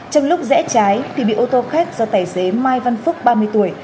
trong lúc rẽ trái thì bị ô tô khác do tài xế mai văn phúc ba mươi tuổi